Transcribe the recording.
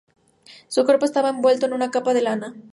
Su cuerpo estaba envuelto en una capa de lana.